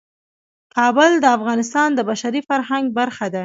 کابل د افغانستان د بشري فرهنګ برخه ده.